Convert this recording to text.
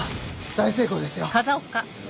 大成功ですよ。